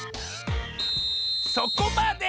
そこまで！